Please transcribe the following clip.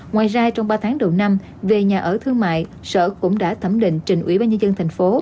ngoài ra trong ba tháng đầu năm về nhà ở thương mại sở cũng đã thẩm định trình ủy ban nhân dân thành phố